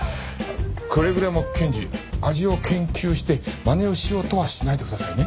くれぐれも検事味を研究してまねをしようとはしないでくださいね。